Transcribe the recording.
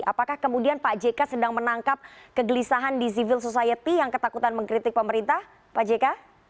apakah kemudian pak jk sedang menangkap kegelisahan di civil society yang ketakutan mengkritik pemerintah pak jk